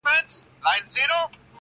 یو په یو به را نړیږي معبدونه د بُتانو!